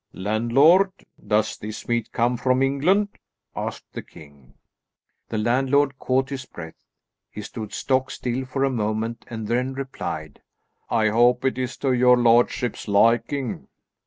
"Landlord, does this meat come from England?" asked the king. The landlord caught his breath. He stood stock still for a moment and then replied, "I hope it is to your lordship's liking."